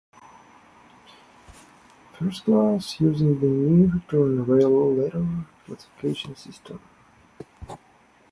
First class using the new Victorian Railway letter classification system.